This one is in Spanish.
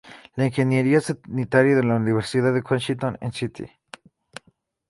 En ingeniería sanitaria de Universidad de Washington en St.